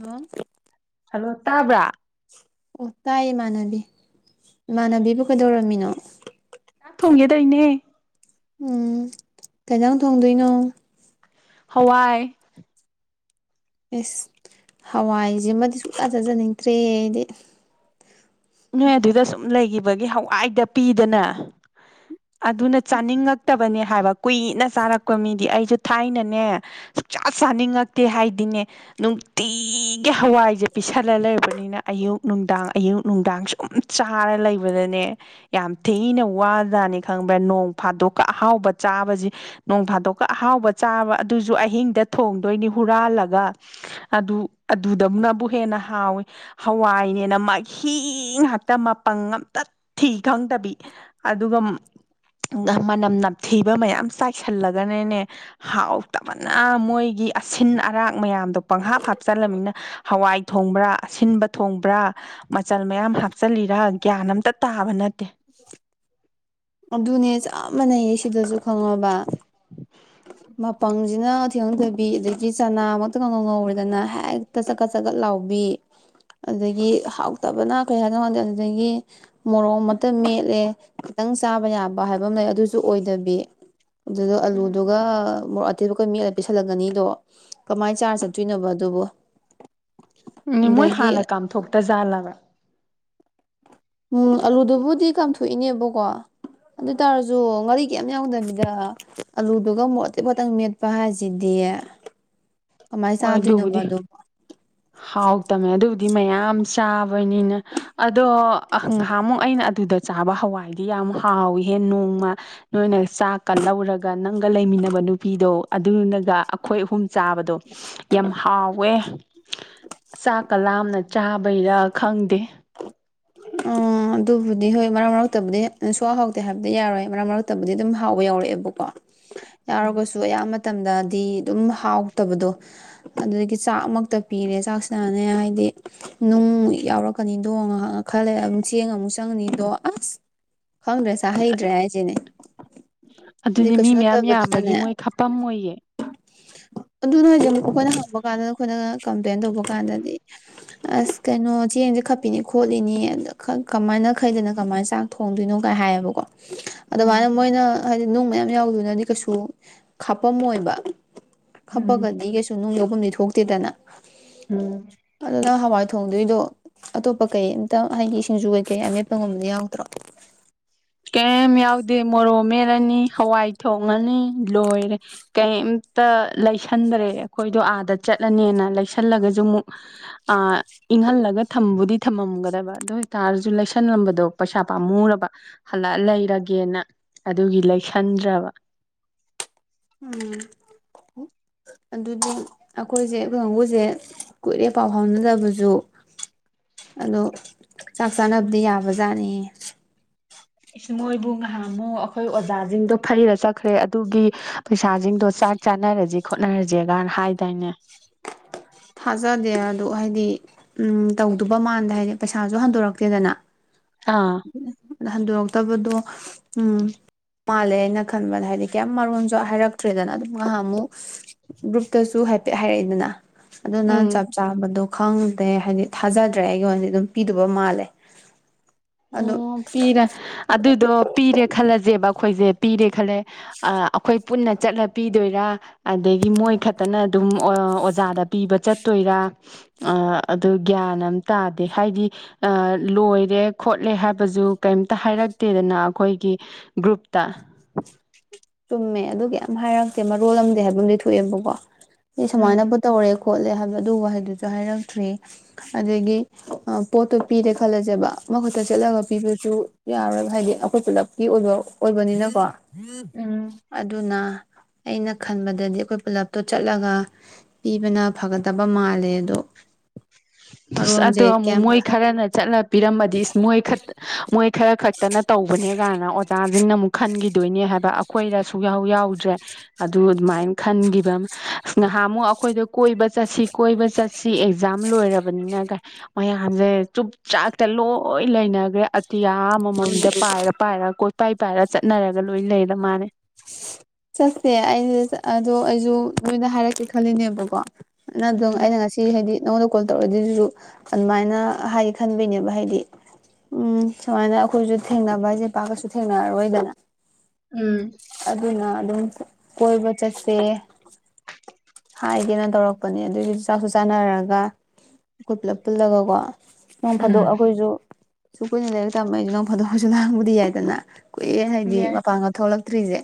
hello hello ꯇꯥꯕ꯭ꯔꯥ ꯑꯣ ꯇꯥꯏ ꯏꯃꯥꯟꯅꯕꯤ ꯏꯃꯥꯟꯅꯕꯤꯕꯨ ꯀꯩꯗꯧꯔꯝꯃꯤꯅꯣ ꯆꯥꯛ ꯊꯣꯡꯒꯦ ꯇꯩꯅꯦ ꯎꯝ ꯀꯩꯖꯥꯡ ꯊꯣꯡꯗꯣꯏꯅꯣ ꯍꯋꯥꯏ ꯏꯁ ꯍꯋꯥꯏꯖꯤꯃꯗꯤ ꯁꯨꯡꯆꯥ ꯆꯥꯖꯅꯤꯡꯗꯔ꯭ꯦꯍꯦ ꯑꯩꯗꯤ ꯅꯣꯏ ꯑꯗꯨꯗ ꯁꯨꯝ ꯂꯩꯒꯤꯕꯒꯤ ꯍꯋꯥꯏꯗ ꯄꯤꯗꯅ ꯑꯗꯨꯅ ꯆꯥꯅꯤꯡꯉꯛꯇꯕꯅꯦ ꯍꯥꯏꯕ ꯀꯨꯏꯅ ꯆꯥꯔꯛꯄ ꯃꯤꯗꯤ ꯑꯩꯖꯨ ꯊꯥꯏꯅꯅꯦ ꯁꯨꯡꯆꯥ ꯆꯥꯅꯤꯡꯉꯛꯇꯦ ꯍꯥꯏꯗꯤꯅꯦ ꯅꯨꯡꯇꯤꯒꯤ ꯍꯋꯥꯏꯖꯦ ꯄꯤꯁꯜꯂ ꯂꯩꯔꯕꯅꯤꯅ ꯑꯌꯨꯛ ꯅꯨꯡꯗꯥꯡ ꯑꯌꯨꯛ ꯅꯨꯡꯗꯥꯡ ꯁꯨꯝ ꯆꯥꯔ ꯂꯩꯕꯗꯅꯦ ꯌꯥꯝ ꯊꯤꯅ ꯋꯥꯖꯥꯅꯤ ꯈꯪꯕ꯭ꯔ ꯅꯣꯡ ꯐꯥꯗꯣꯛꯀ ꯑꯍꯥꯎꯕ ꯆꯥꯕꯖꯤ ꯅꯣꯡ ꯐꯥꯗꯣꯛꯀ ꯑꯍꯥꯎꯕ ꯆꯥꯕ ꯑꯗꯨꯖꯨ ꯑꯍꯤꯡꯗ ꯊꯣꯡꯗꯣꯏꯅꯤ ꯍꯨꯔꯥꯜꯂꯒ ꯑꯗꯨ ꯑꯗꯨꯗꯧꯅꯕꯨ ꯍꯦꯟꯅ ꯍꯥꯎꯏꯤ ꯍꯋꯥꯏꯅꯦꯅ ꯃꯥꯏ ꯍꯤ ꯉꯥꯛꯇ ꯃꯄꯪ ꯉꯝꯇꯠ ꯊꯤ ꯈꯪꯗꯕꯤ ꯑꯗꯨꯒ ꯃꯅꯝ ꯅꯝꯊꯤꯕ ꯃꯌꯥꯝ ꯆꯥꯏꯁꯤꯜꯂꯒꯅꯅꯦ ꯍꯥꯎꯇꯕꯅ ꯃꯣꯏꯒꯤ ꯑꯁꯤꯟ ꯑꯔꯥꯛ ꯃꯌꯥꯝꯗꯣ ꯄꯪꯍꯥꯞ ꯍꯥꯞꯆꯜꯂꯝꯅꯤꯅ ꯍꯋꯥꯏ ꯊꯣꯡꯕ꯭ꯔꯥ ꯑꯁꯤꯟꯕ ꯊꯣꯡꯕ꯭ꯔꯥ ꯃꯆꯜ ꯃꯌꯥꯝ ꯍꯥꯞꯆꯜꯂꯤꯔ ꯒ꯭ꯌꯥꯟ ꯑꯝꯇ ꯇꯥꯕ ꯅꯠꯇꯦ ꯑꯗꯨꯅꯦ ꯆꯞ ꯃꯥꯅꯩꯌꯦ ꯁꯤꯗꯖꯨ ꯈꯪꯉꯕ ꯃꯄꯪꯖꯤꯅ ꯊꯤꯈꯪꯗꯕꯤ ꯑꯗꯒꯤ ꯆꯅꯥꯃꯛꯇ ꯀꯥꯉꯧ ꯉꯧꯔꯦꯗꯅ ꯍꯦꯛꯇ ꯆꯀꯠ ꯆꯀꯠ ꯂꯥꯎꯕꯤ ꯑꯗꯨꯗꯒꯤ ꯍꯥꯎꯇꯕꯅ ꯀꯩ ꯍꯥꯏꯅꯣ ꯈꯪꯗꯦ ꯑꯗꯨꯗꯒꯤ ꯃꯣꯔꯣꯛ ꯃꯠꯇ ꯃꯦꯠꯂꯦ ꯈꯤꯇꯪ ꯆꯥꯕ ꯌꯥꯕ ꯍꯥꯏꯕ ꯑꯝ ꯂꯩ ꯑꯗꯨꯖꯨ ꯑꯣꯏꯗꯕꯤ ꯑꯗꯨꯗꯣ ꯑꯜꯂꯨ ꯀ ꯃꯣꯔꯣꯛ ꯑꯇꯦꯛꯄꯒ ꯃꯦꯠꯂ ꯄꯤꯁꯜꯂꯛꯀꯅꯤꯗꯣ ꯀꯃꯥꯏꯅ ꯆꯥꯔ ꯆꯠꯇꯣꯏꯅꯣ ꯑꯗꯨꯕꯨ ꯎꯝ ꯃꯣꯏ ꯑꯗꯒꯤ ꯍꯥꯟꯅ ꯀꯥꯝꯊꯣꯛꯇꯖꯥꯜꯂꯕ ꯎꯝ ꯑꯂꯨꯗꯨꯕꯨꯗꯤ ꯀꯥꯝꯊꯣꯛꯏꯅꯦꯕꯀꯣ ꯑꯗꯣꯏꯇꯥꯔꯖꯨ ꯉꯥꯔꯤ ꯀꯦꯝ ꯌꯥꯎꯗꯕꯤꯗ ꯑꯂꯨꯗꯨꯒ ꯃꯣꯔꯣꯛ ꯑꯇꯦꯛꯄꯥ ꯒ ꯈꯇꯪ ꯃꯦꯠꯄ ꯍꯥꯏꯖꯤꯗꯤ ꯀꯃꯥꯏ ꯆꯥꯗꯣꯏꯅꯣꯕ ꯑꯗꯨꯕꯣ ꯍꯥꯎꯇꯝꯃꯦ ꯑꯗꯨꯕꯨꯗꯤ ꯃꯌꯥꯝ ꯆꯥꯕꯅꯤꯅ ꯑꯗꯣ ꯉꯍꯥꯃꯨꯛ ꯑꯩꯅ ꯑꯗꯨꯗ ꯆꯥꯕ ꯍꯋꯥꯏꯗꯤ ꯌꯥꯝ ꯍꯥꯎꯋꯤꯍꯦ ꯅꯣꯡꯃ ꯅꯣꯏꯅ ꯆꯥꯛ ꯀꯂꯧꯔꯒ ꯅꯪꯒ ꯂꯩꯃꯤꯟꯅꯕ ꯅꯨꯄꯤꯗꯣ ꯑꯗꯨꯅꯒ ꯑꯈꯣꯏ ꯑꯍꯨꯝ ꯆꯥꯕꯗꯣ ꯌꯥꯝ ꯍꯥꯎꯋꯦ ꯆꯥꯛ ꯀꯂꯥꯝꯅ ꯆꯥꯕꯩꯔ ꯈꯪꯗꯦ ꯎꯝ ꯑꯗꯨꯕꯨꯗꯤ ꯍꯣꯏ ꯃꯔꯛ ꯃꯔꯛꯇꯕꯨꯗꯤ ꯁꯨꯍꯥꯎ ꯍꯥꯎꯇꯦ ꯍꯥꯏꯕꯗꯤ ꯌꯥꯔꯣꯏ ꯃꯔꯛ ꯃꯔꯛꯇꯕꯨꯗꯤ ꯑꯗꯨꯝ ꯍꯥꯎꯕ ꯌꯥꯎꯔꯛꯑꯦꯕꯀꯣ ꯌꯥꯎꯔꯒꯁꯨ ꯑꯌꯥꯝꯕ ꯇꯝꯗꯗꯤ ꯑꯗꯨꯝ ꯍꯥꯎꯇꯕꯗꯣ ꯑꯗꯨꯗꯒꯤ ꯆꯥꯛꯃꯛꯇ ꯄꯤꯔꯦ ꯆꯥꯛꯁꯤꯅꯅꯦ ꯍꯥꯏꯗꯤ ꯅꯨꯡ ꯌꯥꯎꯔꯛꯀꯅꯤꯗꯣ ꯉꯍꯥꯛ ꯈꯂꯦ ꯑꯃꯨꯛ ꯆꯦꯡ ꯑꯃꯨꯛ ꯆꯪꯉꯅꯤ ꯑꯗꯣ ꯑꯁ ꯈꯪꯗ꯭ꯔꯦ ꯆꯥ ꯍꯩꯗ꯭ꯔꯦ ꯍꯥꯏꯖꯤꯅꯤ ꯑꯗꯨꯗꯤ ꯃꯤ ꯃꯌꯥꯝ ꯌꯥꯝꯕꯒꯤ ꯅꯠꯇꯕꯗꯨꯅꯅꯦ ꯃꯣꯏ ꯈꯄꯝ ꯃꯣꯏꯌꯦ ꯑꯗꯨꯅꯦ ꯍꯥꯏ ꯖꯦ ꯑꯃꯨꯛ ꯑꯈꯣꯏꯅ ꯍꯪꯕ ꯀꯥꯟꯗ ꯑꯈꯣꯏꯅ ꯀꯝꯄ꯭ꯂꯦꯟ ꯇꯧꯕ ꯀꯥꯟꯗꯗꯤ ꯑꯁ ꯀꯩꯅꯣ ꯆꯦꯡꯁꯦ ꯈꯞꯄꯤꯅꯤ ꯈꯣꯠ ꯂꯤꯅꯤ ꯑꯗ ꯀꯃꯥꯏꯅ ꯈꯩꯗꯅ ꯀꯃꯥꯏ ꯆꯥꯛ ꯊꯣꯡꯗꯣꯏꯅꯣ ꯀꯥꯏ ꯍꯥꯏꯌꯦꯕꯀꯣ ꯎꯝ ꯑꯗꯨꯃꯥꯏꯅ ꯃꯣꯏꯅ ꯍꯥꯏꯗꯤ ꯅꯨꯡ ꯃꯌꯥꯝ ꯌꯥꯎꯋꯤꯗꯨꯅꯗꯤ ꯀꯩꯁꯨ ꯈꯥꯄꯝꯃꯣꯏꯕ ꯎꯝ ꯈꯞꯄꯒꯗꯤ ꯀꯩꯁꯨ ꯅꯨꯡ ꯌꯎꯕꯝꯗꯤ ꯊꯣꯛꯇꯦꯗꯅ ꯎꯝ ꯑꯗꯨꯅ ꯍꯋꯥꯏ ꯊꯣꯡꯗꯣꯏꯗꯣ ꯑꯇꯣꯞꯄ ꯀꯩꯝꯇ ꯍꯥꯏꯗꯤ ꯁꯤꯡꯖꯨ ꯀꯩ ꯀꯩ ꯑꯃꯃꯦꯠꯄꯒꯨꯝꯕꯗ ꯌꯥꯎꯗ꯭ꯔꯣ ꯀꯩ ꯌꯥꯎꯗꯦ ꯃꯣꯔꯣ ꯃꯦꯠꯂꯅꯤ ꯍꯋꯥꯏ ꯊꯣꯡꯉꯅꯤ ꯂꯣꯏꯔꯦ ꯀꯩꯝꯇ ꯂꯩꯁꯟꯗ꯭ꯔꯦ ꯑꯩꯈꯣꯏꯗꯣ ꯑꯥꯗ ꯆꯠꯂꯅꯤꯅ ꯂꯩꯁꯜꯂꯒꯁꯨ ꯑꯃꯨꯛ ꯏꯪꯍꯜꯂꯒ ꯊꯝꯕꯨꯗꯤ ꯊꯝꯃꯝꯒꯗꯕ ꯑꯗꯨ ꯑꯣꯏꯇꯥꯔꯁꯨ ꯂꯩꯁꯜꯂꯝꯕꯗꯣ ꯄꯩꯁꯥ ꯄꯥꯝꯃꯨꯔꯕ ꯍꯜꯂꯛꯑ ꯂꯩꯔꯒꯦꯅ ꯑꯗꯨꯒꯤ ꯂꯩꯁꯟꯗ꯭ꯔꯕ ꯎꯝ ꯑꯗꯨꯗꯤ ꯑꯩꯈꯣꯏꯁꯦ ꯑꯩꯈ ꯀꯥꯡꯕꯨꯨꯁꯦ ꯀꯨꯏꯔꯦ ꯄꯥꯎ ꯐꯥꯎꯅꯗꯕꯁꯨ ꯑꯗꯣ ꯆꯥꯛ ꯆꯥꯅꯕꯗꯤ ꯌꯥꯕ ꯖꯥꯠꯅꯤ ꯏꯁ ꯃꯣꯏꯕꯨ ꯉꯥꯏꯍꯃꯨꯛ ꯑꯩꯈꯣꯏ ꯑꯣꯖꯥꯁꯤꯡꯗꯣ ꯐꯩꯔ ꯆꯠꯈ꯭ꯔꯦ ꯑꯗꯨꯒꯤ ꯄꯩꯁꯥꯁꯤꯡꯗꯣ ꯆꯥꯛ ꯆꯥꯅꯔꯁꯤ ꯈꯣꯠꯅꯔꯁꯒꯅ ꯍꯥꯏꯗꯥꯏꯅꯦ ꯊꯥꯖꯗꯦ ꯑꯗꯨꯗ ꯍꯥꯏꯗꯤ ꯎꯝ ꯇꯧꯗꯕ ꯃꯥꯟꯗ ꯍꯥꯏꯗꯤ ꯄꯩꯁꯥꯁꯨ ꯍꯟꯗꯣꯔꯛꯇꯦꯗꯅ ꯑꯥ ꯍꯟꯗꯣꯔꯛꯇꯕꯗꯣ ꯎꯝ ꯃꯥꯜꯂꯦ ꯍꯥꯏꯅ ꯈꯟꯕꯗ ꯍꯥꯏꯗꯤ ꯀꯌꯥꯝ ꯃꯔꯣꯟꯁꯨ ꯍꯥꯏꯔꯛꯇ꯭ꯔꯦꯗꯅ ꯑꯗꯨꯝ ꯉꯥꯏꯍꯥꯛ ꯑꯃꯨꯛ ꯒ꯭ꯔꯨꯞꯇꯁꯨ ꯍꯥꯏꯐꯦꯠ ꯍꯥꯏꯔꯛꯏꯗꯅ ꯑꯗꯨꯅ ꯎꯝ ꯆꯞ ꯆꯥꯕꯗꯣ ꯈꯪꯗꯦ ꯍꯥꯏꯗꯤ ꯊꯥꯖꯗ꯭ꯔꯦ ꯑꯩꯒꯤ ꯑꯣꯏꯅꯗꯤ ꯑꯗꯨꯝ ꯄꯤꯗꯕ ꯃꯥꯜꯂꯦ ꯑꯗꯣ ꯑꯣ ꯄꯤꯔ ꯑꯗꯨꯗꯣ ꯄꯤꯔꯦ ꯈꯜꯂꯁꯦꯕ ꯑꯩꯈꯣꯏꯁꯦ ꯄꯤꯔꯦ ꯈꯜꯂꯦ ꯑꯩꯈꯣꯏ ꯄꯨꯟꯅ ꯆꯠꯂ ꯄꯤꯗꯣꯏꯔꯥ ꯑꯗꯒꯤ ꯃꯣꯏ ꯈꯛꯇꯅ ꯑꯗꯨꯝ ꯑꯣꯖꯥꯗ ꯄꯤꯕ ꯆꯠꯇꯣꯏꯔꯥ ꯑꯗꯨ ꯒ꯭ꯌꯥꯟ ꯑꯃꯝ ꯇꯥꯗꯦ ꯍꯥꯏꯗꯤ ꯂꯣꯏꯔꯦ ꯈꯣꯠꯂꯦ ꯍꯥꯏꯕꯁꯨ ꯀꯩꯝꯇ ꯍꯥꯏꯔꯛꯇꯦꯗꯅ ꯑꯩꯈꯣꯏꯒꯤ ꯒ꯭ꯔꯨꯞꯇ ꯆꯨꯝꯃꯦ ꯑꯗꯨꯒꯤ ꯌꯥꯝ ꯍꯥꯏꯔꯛꯇꯦ ꯃꯔꯣꯜ ꯑꯝꯗ ꯍꯥꯏꯕ ꯑꯗꯤ ꯊꯣꯛꯑꯦꯕꯀꯣ ꯎꯝ ꯑꯩꯃꯅꯕꯨꯠꯇ ꯑꯣꯏꯔꯦ ꯈꯣꯠꯂꯦ ꯍꯥꯏꯕꯗ ꯑꯗꯨ ꯋꯥꯍꯩꯗꯨꯁꯨ ꯍꯥꯏꯔꯛꯇ꯭ꯔꯤ ꯑꯗꯒꯤ ꯄꯣꯠꯇꯣ ꯄꯤꯔꯦ ꯈꯜꯂꯁꯦꯕ ꯃꯈꯨꯠꯇ ꯆꯠꯂꯒ ꯄꯤꯕꯁꯨ ꯌꯥꯔꯣꯏꯕ ꯍꯥꯏꯗꯤ ꯑꯩꯈꯣꯏ ꯄꯨꯜꯂꯞꯀꯤ ꯑꯣꯏꯕ ꯑꯣꯏꯕꯅꯤꯅꯀꯣ ꯌꯦꯠ ꯎꯝ ꯑꯗꯨꯅ ꯑꯩꯅ ꯈꯟꯕꯗꯗꯤ ꯑꯩꯈꯣꯏ ꯄꯨꯜꯂꯞꯇꯣ ꯆꯠꯂꯒ ꯄꯤꯕꯅ ꯐꯒꯗꯕ ꯃꯥꯜꯂꯦ ꯑꯗꯣ ꯁ ꯃꯔꯣꯟꯁꯦ ꯑꯗꯣ ꯑꯃꯨꯛ ꯀꯌꯥꯝ ꯃꯣꯏ ꯈꯔꯅ ꯆꯠꯂ ꯄꯤꯔꯝꯃꯗꯤ ꯏꯁ ꯃꯣꯏ ꯑ ꯃꯣꯏ ꯈꯔ ꯈꯛꯇꯅ ꯇꯧꯕꯅꯦ ꯀꯥꯏꯅ ꯑꯣꯖꯥꯁꯤꯡꯅ ꯑꯃꯨꯛ ꯈꯟꯈꯤ ꯗꯣꯏꯅꯦ ꯍꯥꯏꯕ ꯑꯩꯈꯣꯏꯗ ꯌꯥꯎꯗ꯭ꯔꯦ ꯑꯗꯨ ꯑꯗꯨꯃꯥꯏꯅ ꯈꯟꯈꯤꯕ ꯑꯃ ꯑ ꯅꯍꯥ ꯑꯃꯨꯛ ꯑꯩꯈꯣꯏꯗ ꯀꯣꯏꯕ ꯆꯠꯁꯤ ꯀꯣꯏꯕ ꯆꯠꯁꯤ ꯑꯦꯛ ꯂꯣꯏꯔꯕꯅꯤꯅ ꯃꯌꯥꯝꯁꯦ ꯆ ꯆꯥꯛꯇ ꯂꯣꯏ ꯂꯩꯅꯈ꯭ꯔꯦ ꯌꯥ ꯃꯃ ꯃꯗ ꯄꯥꯏꯔ ꯄꯥꯏꯔ ꯏ ꯄꯥꯏ ꯄꯥꯏꯔꯒ ꯆꯠꯅꯔꯒ ꯂꯣꯏ ꯂꯩꯔ ꯃꯥꯅꯦ ꯆꯠꯁꯦ ꯑꯩ ꯑꯗꯣ ꯑꯩꯁꯨ ꯅꯣꯏꯅ ꯍꯥꯏꯔꯛꯀꯦ ꯈꯜꯂꯤꯅꯦꯕꯀꯣ ꯅ ꯑꯗꯨ ꯎꯝ ꯑꯩꯅ ꯉꯁꯤ ꯍꯥꯏꯗꯤ ꯅꯉꯗ ꯀꯣꯜ ꯇꯧꯔꯛ ꯑꯗꯨꯗꯨꯁꯨ ꯑꯗꯨꯃꯥꯏꯅ ꯍꯥꯏꯗꯤ ꯈꯟꯕꯩꯅꯦꯕ ꯍꯥꯏꯗꯤ ꯎꯝ ꯁꯨꯃꯥꯏꯅ ꯑꯩꯈꯣꯏꯁꯨ ꯊꯦꯡꯅꯕ ꯍꯥꯏꯁꯦ ꯄꯥꯛꯀꯁꯨ ꯊꯦꯡꯅꯔꯔꯣꯏꯗꯅ ꯎꯝ ꯑꯗꯨꯅ ꯑꯗꯨꯝ ꯀꯣꯏꯕ ꯆꯠꯠꯇꯦ ꯍꯥꯏꯒꯦꯅ ꯇꯧꯔꯛꯄꯅꯦ ꯑꯗꯨꯑꯣꯏꯗꯨꯗꯤꯁꯨ ꯆꯥꯛꯁꯨ ꯆꯥꯅꯔꯒ ꯑꯩꯈꯣꯏ ꯄꯨꯂꯞ ꯄꯨꯜꯂꯒꯀꯣ ꯅ ꯎꯝ ꯐꯥꯗꯣꯛ ꯑꯩꯈꯣꯏꯁꯨ ꯁꯨ ꯀꯨꯏꯅꯥꯏꯛ ꯇꯝꯝꯕ ꯑꯩꯁꯦ ꯅꯣꯡ ꯐꯥꯗꯣꯛ ꯐꯁꯨ ꯂꯥꯡꯕꯗꯤ ꯌꯥꯏꯗꯅ ꯀꯨꯏꯦ ꯍꯥꯏꯗꯤ ꯌꯥꯏ ꯃꯄꯥꯡꯒ ꯊꯣꯛꯂꯛ ꯇ꯭ꯔꯤꯖꯦ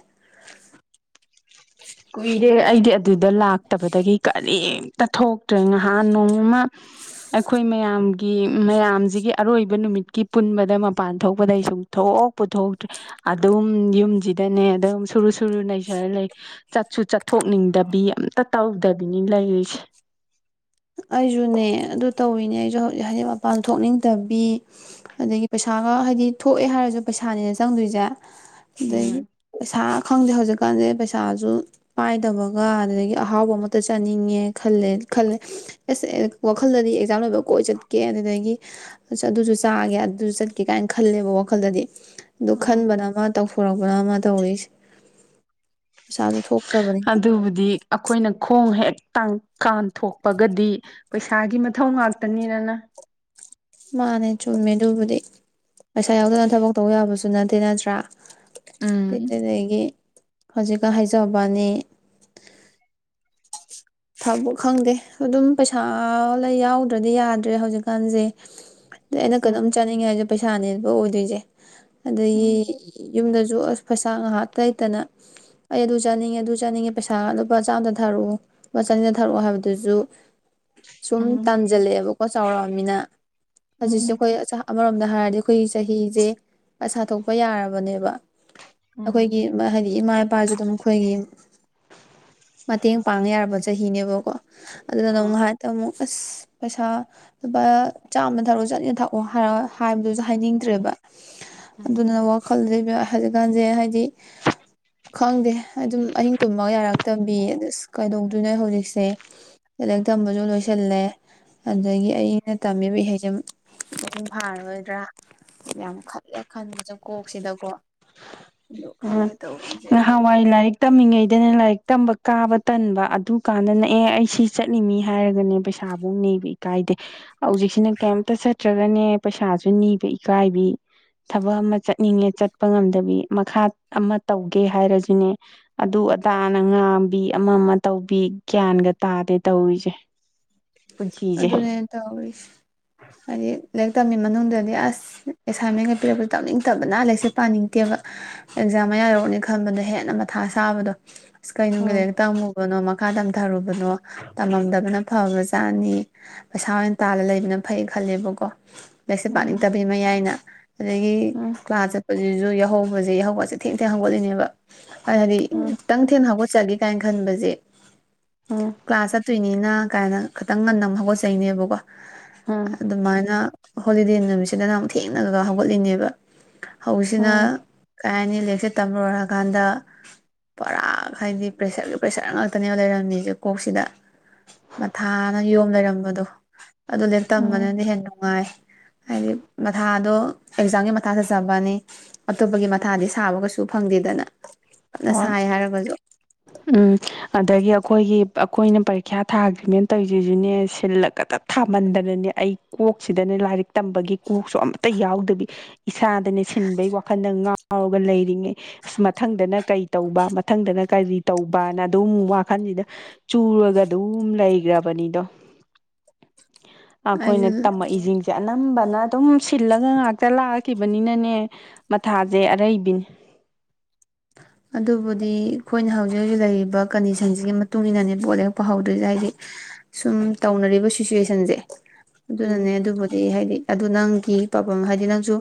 ꯀꯨꯏꯔꯦ ꯑꯩꯗꯤ ꯑꯗꯨꯗ ꯂꯥꯛꯇꯕꯗꯒꯤ ꯀꯔꯤꯝꯇ ꯊꯣꯛꯇ꯭ꯔꯦ ꯉꯍꯥꯟ ꯅꯣꯡꯃ ꯑꯩꯈꯣꯏ ꯃꯌꯥꯝꯒꯤ ꯃꯌꯥꯝꯁꯤꯒꯤ ꯑꯔꯣꯏꯕ ꯅꯨꯃꯤꯠꯀꯤ ꯄꯨꯟꯕꯗ ꯃꯄꯥꯟ ꯊꯣꯛꯄꯗ ꯑꯩ ꯁꯨꯡꯊꯣꯛ ꯄꯨꯊꯣꯛꯇ꯭ꯔꯦ ꯑꯗꯨꯝ ꯌꯨꯝꯁꯤꯗꯅꯦ ꯑꯗꯨꯝ ꯁꯨꯔꯨ ꯁꯨꯔꯨ ꯅꯩꯖꯔ ꯂꯩꯦ ꯆꯠꯁꯨ ꯆꯠꯊꯣꯛꯅꯤꯡꯗꯕꯤ ꯑꯝꯇ ꯇꯧꯗꯕꯤꯅꯤ ꯂꯩꯔꯤꯁꯦ ꯑꯩꯁꯨꯅꯦ ꯑꯗꯨ ꯇꯧꯏꯤꯅꯦ ꯑꯩꯁꯨ ꯍꯧꯖꯤꯛ ꯍꯥꯏꯗꯤ ꯃꯄꯥꯟ ꯊꯣꯛꯅꯤꯡꯗꯕꯤ ꯑꯗꯒꯤ ꯄꯩꯁꯥꯒ ꯍꯥꯏꯗꯤ ꯊꯣꯛꯑꯦ ꯍꯥꯏꯔꯁꯨ ꯄꯩꯁꯥꯅꯤꯅ ꯆꯪꯗꯣꯏꯁꯦ ꯎꯝ ꯁꯥ ꯈꯪꯗꯦ ꯍꯧꯖꯤꯛꯀꯥꯟꯁꯦ ꯄꯩꯁꯥꯁꯨ ꯄꯥꯏꯗꯕꯒ ꯑꯗꯨꯗꯒꯤ ꯑꯍꯥꯎꯕ ꯑꯃꯇ ꯆꯥꯅꯤꯡꯉꯦ ꯈꯜꯂꯦ ꯈꯜꯂꯦ ꯑꯦꯁ ꯑꯦ ꯋꯥꯈꯜꯗꯗꯤ ꯑꯦꯛꯖꯥꯝ ꯂꯣꯏꯕ ꯀꯣꯏ ꯆꯠꯀꯦ ꯑꯗꯨꯗꯒꯤ ꯑꯁ ꯑꯗꯨꯁꯨ ꯆꯥꯒꯦ ꯑꯗꯨꯁꯨ ꯆꯠꯀꯦ ꯀꯥꯏꯅ ꯈꯜꯂꯦꯕ ꯋꯥꯈꯜꯗꯗꯤ ꯑꯗꯨ ꯎꯝ ꯈꯟꯕꯅ ꯃꯥ ꯇꯧ ꯄꯔꯣꯄ꯭ꯔꯥ ꯑꯃ ꯇꯧꯔꯤꯁꯦ ꯄꯩꯁꯥꯁꯨ ꯊꯣꯛꯇꯕꯅꯤꯅ ꯑꯗꯨꯕꯨꯗꯤ ꯑꯩꯈꯣꯏꯅ ꯈꯣꯡ ꯍꯦꯛ ꯇꯪꯀꯥꯟ ꯊꯣꯛꯄꯒꯗꯤ ꯄꯩꯁꯥꯒꯤ ꯃꯊꯧ ꯉꯥꯛꯇ ꯇꯅꯤꯔꯅ ꯃꯥꯅꯦ ꯆꯨꯝꯃꯦ ꯑꯗꯨꯕꯨꯗꯤ ꯄꯩꯁꯥ ꯌꯥꯎꯗꯅ ꯊꯕꯛ ꯇꯧꯕ ꯌꯥꯕꯁꯨ ꯅꯠꯇꯦ ꯅꯠꯇ꯭ꯔꯥ ꯁꯤꯗ ꯎꯝ ꯂꯩꯒꯦ ꯍꯧꯖꯤꯛꯀ ꯍꯥꯏꯖꯕꯅꯤ ꯊꯕꯛ ꯈꯪꯗꯦ ꯑꯗꯨꯝ ꯄꯩꯁꯥ ꯂꯩ ꯌꯥꯎꯗ꯭ꯔꯗꯤ ꯌꯥꯗ꯭ꯔꯦ ꯍꯧꯖꯤꯛꯀꯥꯟꯁꯦ ꯑꯩꯅ ꯀꯩꯅꯣꯝ ꯎꯝ ꯆꯥꯅꯤꯡꯉ ꯍꯥꯏꯁꯦ ꯄꯩꯁꯥꯅꯦꯕ ꯑꯣꯏꯗꯣꯏꯁꯦ ꯑꯗꯒꯤ ꯎꯝ ꯌꯨꯝꯗꯁꯨ ꯑꯁ ꯄꯩꯁꯥ ꯉꯥꯏꯍꯥꯛ ꯂꯩꯇꯅ ꯑꯩ ꯑꯗꯨ ꯆꯠꯅꯤꯡꯉꯦ ꯑꯗꯨ ꯆꯥꯅꯤꯡꯉꯦ ꯄꯩꯁꯥ ꯉꯥꯏꯍꯥꯛ ꯂꯨꯄꯥ ꯆꯥꯝꯗ ꯊꯥꯔꯛꯑꯣ ꯃꯆꯟꯗ ꯊꯥꯔꯛꯑꯣ ꯍꯥꯏꯕꯗꯨꯁꯨ ꯁꯨꯝ ꯎꯝ ꯇꯥꯟꯖꯂꯦꯕ ꯀꯣ ꯆꯥꯎꯔꯛꯑꯃꯤꯅ ꯎꯝ ꯍꯧꯖꯤꯁꯨꯈꯣꯏ ꯑꯃꯔꯣꯝꯗ ꯍꯥꯏꯔꯗꯤ ꯑꯩꯈꯣꯏꯒꯤ ꯆꯍꯤꯁꯦ ꯑꯁ ꯁꯥ ꯊꯣꯛꯣꯛꯄ ꯌꯥꯔꯕꯅꯦꯕ ꯎꯝ ꯑꯩꯈꯣꯏꯒꯤ ꯍꯥꯏꯗꯤ ꯏꯃꯥ ꯏ ꯅꯨꯄꯥꯁꯤꯗ ꯃꯈꯣꯏꯒꯤ ꯃꯇꯦꯡ ꯄꯥꯡꯉ ꯌꯥꯔꯕꯁꯦ ꯆꯍꯤꯅꯦꯕꯀꯣ ꯑꯗꯨꯗ ꯅ ꯅ ꯑꯥ ꯍꯥꯏ ꯇ ꯑꯁ ꯄꯩꯁꯥ ꯂꯨꯄꯥ ꯆꯥꯝꯃꯅ ꯊꯥꯛꯑꯣ ꯆꯠꯅꯤꯅ ꯊꯥꯛꯑꯣ ꯍꯥꯏꯔ ꯍꯥꯏꯕꯗꯨꯁꯨ ꯍꯥꯏꯅꯤꯡꯗ꯭ꯔꯦꯕ ꯎꯝ ꯑꯗꯨꯅ ꯋꯥꯈꯜꯁ ꯍꯧꯖꯤꯛꯀꯥꯟꯁꯦ ꯍꯥꯏꯗꯤ ꯈꯪꯗꯦ ꯑꯗꯨꯝ ꯑꯍꯤꯡ ꯇꯨꯝꯃꯒ ꯌꯥꯔꯛꯇꯕꯤ ꯑꯁ ꯀꯩꯗꯧ ꯗꯨꯅꫭ ꯍꯧꯖꯤꯛꯁꯦ ꯂꯥꯏꯔꯤꯛ ꯇꯝꯕꯁꯨ ꯂꯣꯏꯁꯤꯜꯂꯦ ꯑꯗꯒꯤ ꯑꯩꯅ ꯇꯝꯃꯤꯕ ꯏꯍꯩꯁꯦ ꯑꯗꯨ ꯎꯝ ꯈꯪꯗꯦ ꯇꯧꯔꯤꯁꯦ ꯅꯍꯥꯟꯋꯥꯏ ꯂꯥꯏꯔꯤꯛ ꯇꯝꯃꯤꯉꯩꯗꯅꯦ ꯂꯥꯏꯔꯤꯛ ꯇꯝꯕ ꯀꯥꯕ ꯇꯟꯕ ꯑꯗꯨ ꯀꯥꯟꯗꯅꯦ ꯑꯦ ꯑꯩ ꯁꯤ ꯆꯠꯅꯤꯡꯃꯤ ꯍꯥꯏꯔꯒꯅꯦ ꯄꯩꯁꯥꯐꯧ ꯅꯤꯕ ꯏꯀꯥꯏꯗꯦ ꯍꯧꯖꯤꯛꯁꯤꯅ ꯀꯩꯝꯇ ꯅꯠꯇ꯭ꯔꯒꯅꯦ ꯄꯩꯁꯥꯁꯨ ꯅꯤꯕ ꯏꯀꯥꯏꯕꯤ ꯊꯕꯛ ꯑꯃ ꯆꯠꯅꯤꯡꯉꯦ ꯆꯠꯄ ꯉꯝꯗꯕꯤ ꯃꯈꯥ ꯑꯃ ꯇꯧꯒꯦ ꯍꯥꯏꯔꯁꯨꯅꯦ ꯑꯗꯨ ꯑꯗꯥꯅ ꯉꯥꯡꯕꯤ ꯑꯃ ꯑꯃ ꯇꯧꯕꯤ ꯒ꯭ꯌꯥꯟꯒ ꯇꯥꯗꯦ ꯇꯧꯔꯤꯁꯦ ꯄꯨꯟꯁꯤꯁꯦ ꯑꯗꯨꯅꯦ ꯇꯧꯔꯤꯖꯦ ꯍꯥꯏꯗꯤ ꯂꯥꯏꯔꯤꯛ ꯇꯝꯃꯤ ꯃꯅꯨꯡꯗꯗꯤ ꯑꯁ ꯑꯦꯁꯥꯏꯟꯃꯦꯟꯒꯩ ꯄꯤꯔꯛꯄꯗ ꯇꯝꯅꯤꯡꯗꯕꯅ ꯂꯥꯏꯔꯤꯛꯁꯦ ꯄꯥꯅꯤꯡꯗꯦꯕ ꯑꯦꯛꯖꯥꯝ ꯑꯃ ꯌꯥꯔꯧꯅꯤ ꯈꯟꯕꯗꯣ ꯍꯦꯟꯅ ꯃꯊꯥ ꯁꯥꯥꯕꯗꯣ ꯀꯩꯅꯪꯒꯤ ꯎꯝ ꯅꯥꯏꯔꯤꯛ ꯇꯝꯃꯨꯕꯅꯣ ꯃꯈꯥ ꯇꯝ ꯊꯧꯔꯨꯕꯅꯣ ꯇꯝꯃꯝꯗꯕꯅ ꯐꯕꯁꯦ ꯆꯥꯅꯤ ꯄꯩꯁꯥ ꯑꯣꯏꯅ ꯇꯥꯜꯂꯒ ꯂꯩꯕꯅ ꯐꯩ ꯈꯜꯂꯦꯕꯀꯣ ꯂꯥꯏꯔꯤꯛꯁꯦ ꯄꯥꯅꯤꯡ ꯎꯝ ꯇꯕꯤ ꯃꯥꯌꯥꯏꯅ ꯑꯗꯒꯤ ꯎꯝ ꯀ꯭ꯂꯥꯁ ꯆꯠꯄꯁꯤꯁꯨ ꯌꯥꯎꯍꯧ ꯍꯧꯁꯦ ꯌꯥꯍꯧꯒꯖꯦ ꯊꯦꯡ ꯊꯦꯛ ꯍꯧꯒꯠꯂꯤꯅꯦꯕ ꯍꯥꯏꯗꯤ ꯈꯤꯇꯪ ꯊꯦꯡꯅ ꯍꯧꯒꯠꯆꯒꯦ ꯀꯥꯏꯅ ꯈꯟꯕꯁꯦ ꯎꯝ ꯎꯝ ꯀ꯭ꯂꯥꯁ ꯆꯠꯇꯣꯏꯅꯤꯅ ꯀꯥꯏꯅ ꯈꯤꯇꯪ ꯉꯟꯅ ꯑꯃꯨꯛ ꯍꯧꯒꯠꯆꯩꯅꯦꯕꯀꯣ ꯎꯝ ꯑꯗꯨꯃꯥꯏꯅ ꯍꯣꯂꯤꯗꯦ ꯅꯨꯃꯤꯠꯁꯤꯗ ꯅ ꯑꯃꯨꯛ ꯊꯦꯡꯅꯔꯒ ꯍꯧꯒꯠꯂꯤꯅꯦꯕ ꯎꯝ ꯍꯧꯖꯤꯁꯤꯅ ꯀꯩ ꯍꯥꯏꯅꯤ ꯂꯦꯛ ꯁꯦ ꯇꯝꯔꯣꯏꯔꯀꯥꯟꯗ ꯄꯨꯔꯥꯛ ꯍꯥꯏꯗꯤ ꯄ꯭ꯔꯦꯁꯔꯒꯤ ꯄ꯭ꯔꯦꯁꯔ ꯉꯥꯛꯇꯅꯦꯕ ꯂꯩꯔꯝꯃꯤꯁꯦ ꯀꯣꯛꯁꯤꯗ ꯊꯥꯅ ꯌꯣꯝ ꯂꯩꯔꯝꯕꯗꯣ ꯑꯗꯨ ꯂꯦꯛ ꯎꯝ ꯇꯝꯕꯅꯤꯅ ꯍꯦꯟꯅ ꯅꯨꯡꯉꯥꯏ ꯍꯥꯏꯗꯤ ꯃꯊꯥꯗꯣ ꯑꯦꯛꯖꯥꯝꯒꯤ ꯃꯊꯥ ꯆꯠꯆꯕꯅꯤ ꯑꯇꯣꯞꯄꯒꯤ ꯃꯊꯥꯗꯤ ꯁꯥꯕ ꯀꯩꯁꯨ ꯐꯪꯗꯦꯗꯅ ꯑꯗꯨꯅ ꯋꯥ ꯁꯥꯏ ꯍꯥꯏꯔꯒꯁꯨ ꯎꯝ ꯑꯗꯒꯤ ꯑꯩꯈꯣꯏꯒꯤ ꯑꯩꯈꯣꯏꯅ ꯄꯔꯤꯈ꯭ꯌꯥ ꯊꯥꯈ꯭ꯔꯤꯃꯦꯟ ꯇꯧꯔꯤꯁꯤꯁꯤꯅꯦ ꯁꯤꯜꯂꯒꯇ ꯊꯥꯃꯟꯗꯅꯅꯦ ꯑꯩ ꯀꯣꯛꯁꯤꯗꯅꯦ ꯂꯥꯏꯔꯤꯛ ꯇꯝꯕꯒꯤ ꯀꯣꯛꯁꯨ ꯑꯃꯇ ꯌꯥꯎꯗꯕꯤ ꯏꯁꯥꯗꯅꯦ ꯁꯤꯟꯕꯩ ꯋꯥꯈꯜꯗ ꯉꯥꯎꯔꯒ ꯂꯩꯔꯤꯉꯩ ꯑꯁ ꯃꯊꯪꯗꯅ ꯀꯔꯤ ꯇꯧꯕ ꯃꯊꯪꯗꯅ ꯀꯔꯤ ꯇꯧꯕꯅ ꯑꯗꯨꯝ ꯋꯥꯈꯜꯁꯤꯗ ꯆꯨꯔꯒ ꯑꯗꯨꯝ ꯂꯩꯈ꯭ꯔꯕꯅꯤꯗꯣ ꯑꯩꯈꯣꯏꯅ ꯑꯩꯁꯨ ꯇꯝꯃꯛꯏꯁꯤꯡꯁꯦ ꯑꯅꯝꯕꯅ ꯐꯖꯅ ꯑꯗꯨꯝ ꯁꯤꯜꯂꯒ ꯉꯥꯛꯇ ꯂꯥꯛꯈꯤꯕꯅꯤꯅꯅꯦ ꯃꯊꯥꯁꯦ ꯑꯔꯩꯕꯤꯅꯦ ꯑꯗꯨꯕꯨꯗꯤ ꯑꯩꯈꯣꯏꯅ ꯍꯧꯖꯤꯛ ꯍꯧꯖꯤꯛ ꯂꯩꯔꯤꯕ ꯀꯟꯗꯤꯁꯟꯁꯤꯒꯤ ꯃꯇꯨꯡ ꯏꯟꯅꯅꯦ ꯄꯣꯠ ꯂꯦꯛꯄꯍꯧꯗ꯭ꯔꯤꯁꯦ ꯍꯥꯏꯗꯤ ꯁꯨꯝ ꯇꯧꯅꯔꯤꯕ ꯁꯤꯆꯨꯋꯦꯁꯟꯁꯦ ꯎꯝ ꯑꯗꯨꯅꯅꯦ ꯑꯗꯨꯕꯨꯗꯤ ꯍꯥꯏꯗꯤ ꯑꯗꯨ ꯅꯪꯒꯤ ꯄꯥꯕꯝ ꯍꯥꯏꯗꯤ ꯅꯪꯁꯨ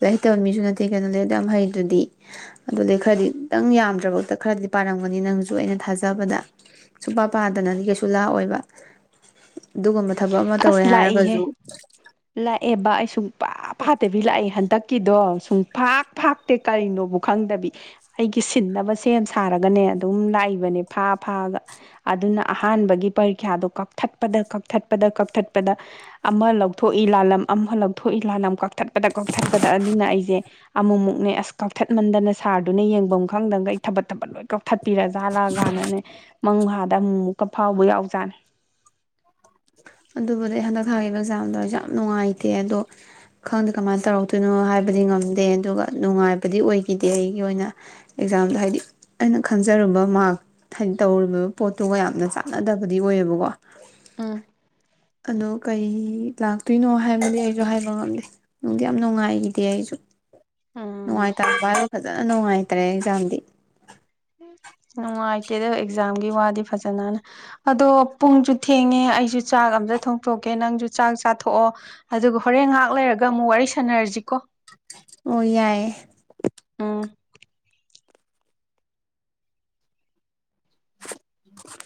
ꯂꯥꯏ ꯍꯩꯇꯕ ꯃꯤꯁꯨ ꯅꯠꯇꯦ ꯀꯩꯅꯣ ꯂꯥꯏꯔꯤꯛ ꯑꯗꯝ ꯍꯩꯗꯨꯗꯤ ꯑꯗꯨꯗꯤ ꯈꯔꯗꯤ ꯈꯤꯇꯪ ꯌꯥꯝꯗ꯭ꯔꯕꯛꯇ ꯈꯔꯗꯤ ꯄꯥꯔꯝꯒꯅꯤ ꯅꯪꯁꯨ ꯑꯩꯅ ꯊꯥꯖꯕꯗ ꯁꯨꯡꯄꯥ ꯄꯥꯗꯅꯗꯤ ꯀꯩꯁꯨ ꯂꯥꯛꯑꯣꯏꯕ ꯑꯗꯨꯒꯨꯝꯕ ꯊꯕꯛ ꯑꯃ ꯇꯧꯔꯦ ꯑꯁ ꯍꯥꯏꯔꯒꯁꯨ ꯂꯥꯛꯏꯍꯦ ꯄꯥ ꯄꯥꯗꯕꯤ ꯂꯥꯛꯑꯦ ꯍꯟꯗꯛꯀꯤꯗꯣ ꯁꯨꯡ ꯐꯥꯛ ꯐꯥꯛꯇꯦ ꯀꯔꯤꯅꯣꯕꯨ ꯈꯪꯗꯕꯤ ꯑꯩꯒꯤ ꯁꯤꯟꯅꯕ ꯁꯦꯝ ꯁꯥꯔꯒꯅꯦ ꯑꯗꯨꯝ ꯂꯥꯛꯏꯕꯅꯦ ꯐꯥ ꯐꯥꯒ ꯑꯗꯨꯅ ꯑꯍꯥꯟꯕꯒꯤ ꯄꯔꯤꯈ꯭ꯌꯥꯗꯣ ꯀꯛꯊꯠꯄꯗ ꯀꯛꯊꯠꯄꯗ ꯀꯛ ꯀꯛꯊꯠꯄꯗ ꯑꯃ ꯂꯧꯊꯣꯛꯏ ꯂꯥꯂꯝ ꯑꯃ ꯂꯧꯊꯣꯛꯏ ꯂꯥꯂꯝ ꯀꯛꯊꯠꯄꯗ ꯀꯛꯊꯠꯄꯗ ꯑꯗꯨꯅ ꯑꯩꯁꯦ ꯑꯃꯨꯛꯃꯨꯛꯅꯦ ꯑꯁ ꯀꯛꯊꯠꯃꯟꯗꯅ ꯁꯥꯔꯗꯨꯅ ꯌꯦꯡꯚꯝ ꯈꯪꯗꯒꯩ ꯑꯩ ꯊꯕꯠ ꯊꯕꯠ ꯂꯣꯏ ꯀꯥꯎꯊ ꯊꯠꯄꯤꯔꯖꯥꯠꯂꯥ ꯒꯥꯟꯅꯅꯦ ꯃꯪꯍꯥꯗ ꯑꯃꯨꯛꯃꯨꯛꯀ ꯐꯥꯎꯕ ꯌꯥꯎꯖꯥꯠꯅꯤ ꯑꯗꯨꯕꯨꯗꯤ ꯍꯟꯗꯛ ꯊꯥꯈꯤꯕ ꯑꯦꯛꯖꯥꯝꯗꯣ ꯑꯦꯛꯖꯥꯝ ꯅꯨꯡꯉꯥꯏꯇꯦ ꯑꯗꯣ ꯈꯪꯗꯦ ꯀꯃꯥꯏ ꯇꯧꯔꯛꯇꯣꯏꯅꯣ ꯍꯥꯏꯕꯗꯤ ꯉꯝꯗꯦ ꯑꯗꯨꯒ ꯅꯨꯡꯉꯥꯏꯕꯗꯤ ꯑꯣꯏꯒꯤꯗꯦ ꯑꯩꯒꯤ ꯑꯣꯏꯅ ꯑꯦꯛꯖꯥꯝꯗꯣ ꯍꯥꯏꯗꯤ ꯑꯩꯅ ꯈꯪꯖꯔꯨꯕ ꯃꯥꯔꯛ ꯍꯥꯏꯗꯤ ꯇꯧꯔꯨꯕ ꯄꯣꯠꯇꯨꯒ ꯌꯥꯝꯅ ꯆꯥꯟꯅꯗꯕꯗꯤ ꯑꯣꯏꯌꯦꯕꯀꯣ ꯑꯝ ꯑꯗꯣ ꯀꯩ ꯂꯥꯛꯇꯣꯏꯅꯣ ꯍꯥꯏꯕꯗꯤ ꯑꯩꯁꯨ ꯍꯥꯏꯕ ꯉꯝꯗꯦ ꯅꯨꯡꯗꯤ ꯌꯥꯝ ꯅꯨꯡꯉꯥꯏꯒꯤꯗꯦ ꯑꯩꯁꯨ ꯎꯝ ꯅꯨꯡꯉꯥꯏꯇꯕ ꯍꯥꯢꯕꯨ ꯐꯖꯟ ꯖꯟꯅ ꯅꯨꯡꯉꯥꯏꯇ꯭ꯔꯦ ꯑꯦꯛꯖꯥꯝꯗꯤ ꯅꯨꯡꯉꯥꯏꯇꯦꯗ ꯑꯦꯛꯖꯥꯝꯒꯤ ꯋꯥꯗꯤ ꯐꯖꯟꯅ ꯑꯗꯣ ꯄꯨꯡꯁꯨ ꯊꯦꯡꯉꯦ ꯑꯩꯁꯨ ꯆꯥꯛ ꯑꯝꯇ ꯊꯣꯡꯇꯣꯛꯀꯦ ꯅꯪꯁꯨ ꯆꯥꯛ ꯆꯥꯊꯣꯛꯑꯣ ꯑꯗꯨꯒ ꯍꯣꯔꯦꯟ ꯉꯥꯏꯍꯥꯛ ꯂꯩꯔꯒ ꯑꯃꯨꯛ ꯋꯥꯔꯤ ꯁꯥꯟꯅꯔꯁꯤꯀꯣ ꯑꯣ ꯌꯥꯏꯌꯦ ꯎꯝ [inaudible]